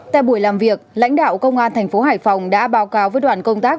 tại buổi làm việc lãnh đạo công an thành phố hải phòng đã báo cáo với đoàn công tác